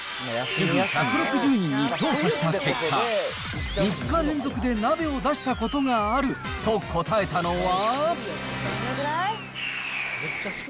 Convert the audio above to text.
主婦１６０人に調査した結果、３日連続で鍋を出したことがあると答えたのは。